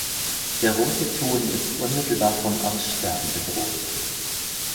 Der Rote Thun ist unmittelbar vom Aussterben bedroht.